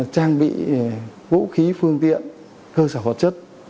trang bị vũ khí phương tiện cơ sở vật chất